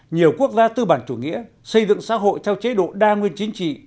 nhiều quốc gia tư bản chủ nghĩa xây dựng xã hội theo chế độ đa nguyên chính trị